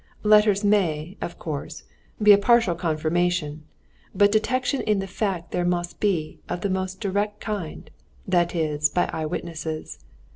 "Letters may, of course, be a partial confirmation; but detection in the fact there must be of the most direct kind, that is, by eyewitnesses.